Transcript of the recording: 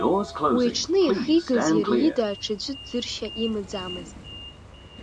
Уи аҽны ихигаз иара ида аҽаӡәы дыршьа имаӡамызт.